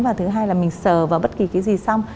và thứ hai là mình sờ vào bất kỳ cái gì xong